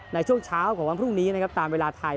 ในช่วงเช้าของวันพรุ่งนี้นะครับตามเวลาไทย